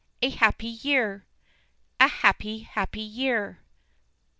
A Happy Year! A Happy, Happy Year!"